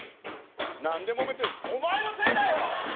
何でもめてんですかお前のせいだよ！